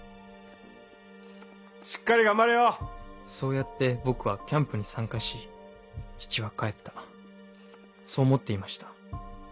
しっかり頑張れよそうやって僕はキャンプに参加し父は帰ったそう思っていました。